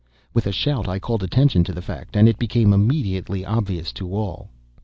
With a shout I called attention to the fact, and it became immediately obvious to all.